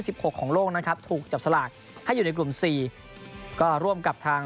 หกของโลกนะครับถูกจับสลากให้อยู่ในกลุ่มสี่ก็ร่วมกับทาง